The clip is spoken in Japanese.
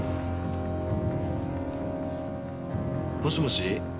もしもし？